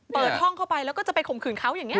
เปิดห้องเข้าไปแล้วก็จะไปข่มขืนเขาอย่างนี้